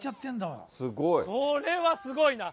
これはすごいな。